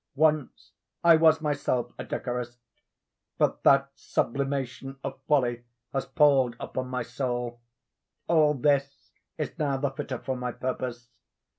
Once I was myself a decorist; but that sublimation of folly has palled upon my soul. All this is now the fitter for my purpose.